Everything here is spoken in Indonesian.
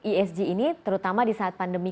esg ini terutama di saat pandemi